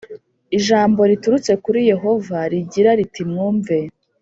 ijambo riturutse kuri Yehova rigira riti mwumve